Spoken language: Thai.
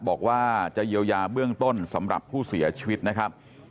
บอกว่าจะเยียวยาเบื้องต้นสำหรับผู้เสียชีวิตนะครับ